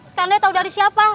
sekarang dia tau dari siapa